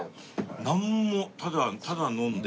なんもただ飲んで。